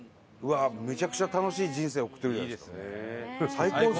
めちゃくちゃ楽しい人生送ってるじゃないですか。